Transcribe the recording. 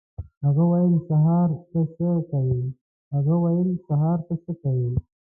هغه وویل: «سهار ته څه کوې؟»